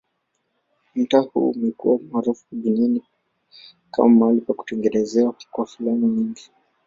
Mtaa huu umekuwa maarufu duniani kama mahali pa kutengenezwa kwa filamu nyingi.